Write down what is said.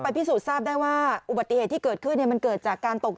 พิสูจน์ทราบได้ว่าอุบัติเหตุที่เกิดขึ้นมันเกิดจากการตก